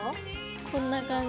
こんな感じ。